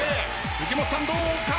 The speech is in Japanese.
藤本さんどうか？